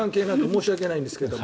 申し訳ないんですけど。